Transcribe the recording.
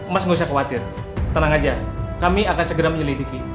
mas nggak usah khawatir tenang aja kami akan segera menyelidiki